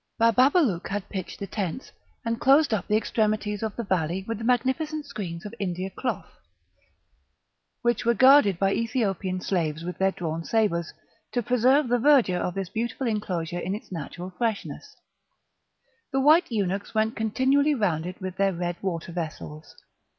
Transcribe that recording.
Bababalouk had pitched the tents, and closed up the extremities of the valley with magnificent screens of India cloth, which were guarded by Ethiopian slaves with their drawn sabres; to preserve the verdure of this beautiful enclosure in its natural freshness, the white eunuchs went continually round it with their red water vessels.